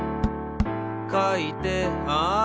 「かいてある」